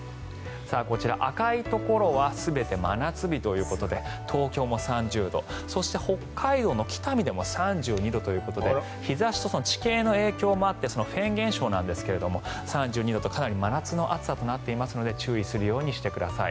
こちら、赤いところは全て真夏日ということで東京も３０度そして北海道の北見でも３２度ということで日差しと地形の影響もあってフェーン現象なんですが３２度と真夏の暑さとなっていますので注意してください。